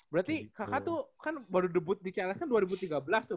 berarti kakak tuh kan baru debut di cls kan dua ribu tiga belas tuh